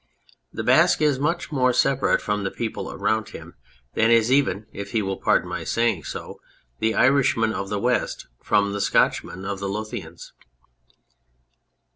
The Basque is much more separate from the people around him than is even (if he will pardon my saying so) the Irishman of the West from the Scotchman of the Lothians.